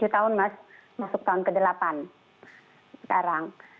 tujuh tahun mas masuk tahun ke delapan sekarang